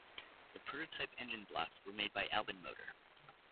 The prototype engine blocks were made by Albinmotor.